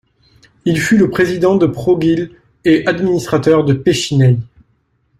Il fut président de Progil et administrateur de Pechiney.